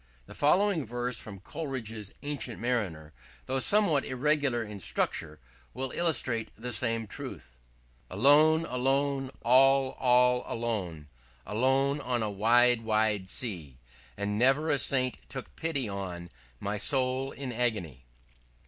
The following verse from Coleridge's 'Ancient Mariner,' though somewhat irregular in structure, well illustrates the same truth: "Alone, alone, all, all alone, Alone on a wide, wide sea And never a saint took pity on My soul in agony."